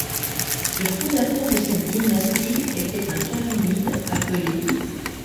Le fondateur de cette dynastie était un Karenid appelé .